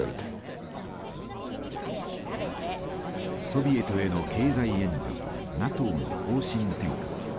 ソビエトへの経済援助とＮＡＴＯの方針転換。